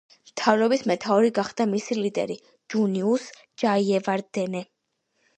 მთავრობის მეთაური გახდა მისი ლიდერი ჯუნიუს ჯაიევარდენე.